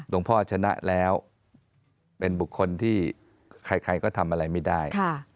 หลวงพ่อชนะแล้วเป็นบุคคลที่ใครก็ทำอะไรไม่ได้